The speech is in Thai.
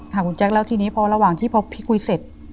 คุณแจ๊คแล้วทีนี้พอระหว่างที่พอพี่คุยเสร็จ